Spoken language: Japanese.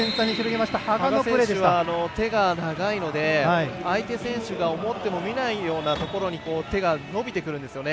羽賀選手は手が長いので相手選手が思ってもみないようなところに手が伸びてくるんですよね。